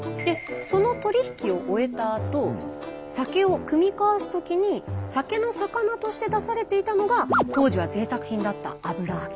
その取り引きを終えたあと酒をくみ交わすときに酒の肴として出されていたのが当時はぜいたく品だった油揚げ。